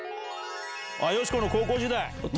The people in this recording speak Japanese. よしこの高校時代。